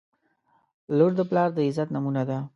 • لور د پلار د عزت نمونه ده.